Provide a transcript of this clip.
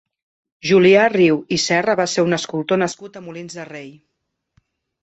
Julià Riu i Serra va ser un escultor nascut a Molins de Rei.